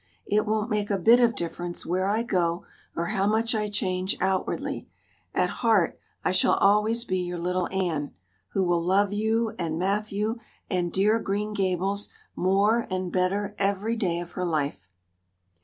It won't make a bit of difference where I go or how much I change outwardly; at heart I shall always be your little Anne, who will love you and Matthew and dear Green Gables more and better every day of her life."